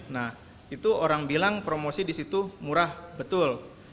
nah itu orang bilang promosi di situ murah betul